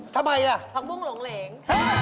ทำไมอ่ะผักบุ้งหลงเหลง